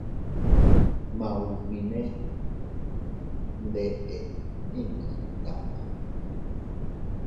Maubinne ndeʼe inña mdaʼa.